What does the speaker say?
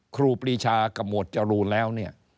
ครูปีชากาหมวดจรูแล้ว